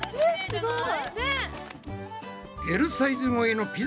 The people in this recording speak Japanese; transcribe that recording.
すごい！